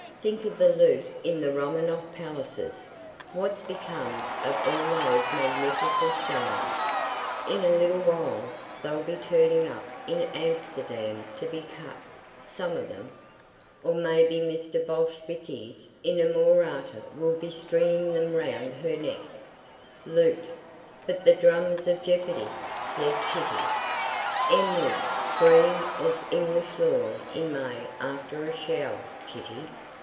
"Think of the loot in the Romanoff palaces! What's become of all those magnificent stones? In a little while they'll be turning up in Amsterdam to be cut some of them. Or maybe Mister Bolsheviki's inamorata will be stringing them round her neck. Loot." "But the drums of jeopardy!" said Kitty. "Emeralds, green as an English lawn in May after a shower, Kitty.